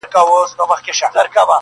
ماشوم وم چي بوډا کیسه په اوښکو لمبوله-